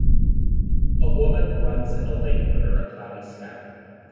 A woman runs in a lake under a cloudy sky.